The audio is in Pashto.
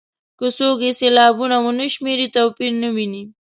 که څوک یې سېلابونه ونه شمېري توپیر نه ویني.